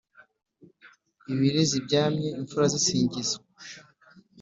ibirezi byamye: imfura zisingizwa